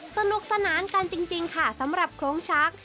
สนุกสนานกันจริงค่ะสำหรับโครงช้าง